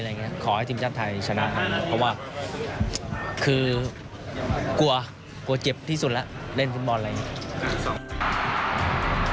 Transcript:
ขอให้ทีมชักไทยชนะทางนั้นเพราะว่ากลัวเจ็บที่สุดแล้วเล่นทีมบอลอะไรอย่างนี้